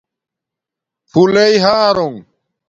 پھولݶئ ہݳرُنگ